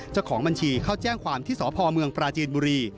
เจ้าของบัญชีเข้าแจ้งความที่สพเมืองปราจีนบุรี